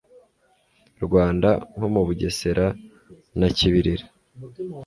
rwanda nko mu bugesera na kibirira